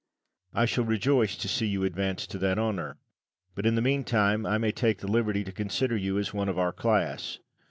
Lucian. I shall rejoice to see you advanced to that honour. But in the meantime I may take the liberty to consider you as one of our class.